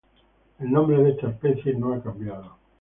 El nombre de esta especie no ha cambiado.